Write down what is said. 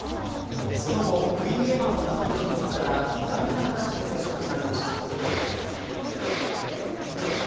その後食い逃げ犯を名乗る人物から意外な形で接触がありました。